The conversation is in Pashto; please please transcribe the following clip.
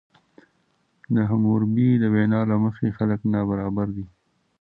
د حموربي د وینا له مخې خلک نابرابر دي.